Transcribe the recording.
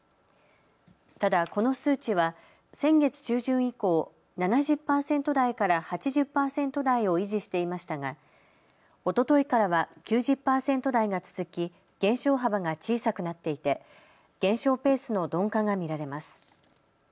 ただこの数値は先月中旬以降、７０％台から８０％台を維持していましたがおとといからは９０％台が続き減少幅が小さくなっていて減少ペースの鈍化が見られます。